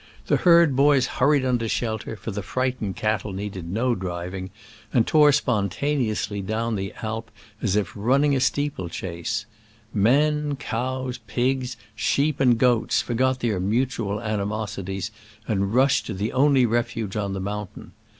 The herd boys hurried under shelter, for the frightened cattle needed no driving, and tore spontane ously down the Alp as if running a steeple chase: Men, cows, pigs, sheep and goats forgot their mutual animos ities, and rushed to the only refuge on the mountain.